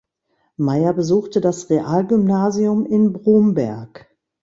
Meyer besuchte das Realgymnasium in Bromberg.